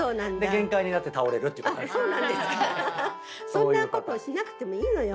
そんなことをしなくてもいいのよ